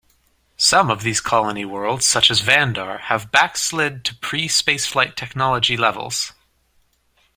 Some of these colony worlds, such as Vandar, have backslid to pre-spaceflight technology levels.